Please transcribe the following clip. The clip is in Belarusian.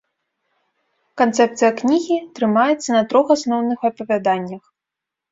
Канцэпцыя кнігі трымаецца на трох асноўных апавяданнях.